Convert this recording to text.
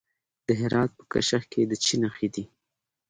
د هرات په کشک کې د څه شي نښې دي؟